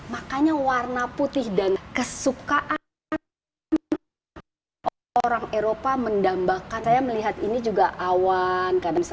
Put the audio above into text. makanya warna putih dan kesukaan orang eropa mendambakan saya melihat ini juga awan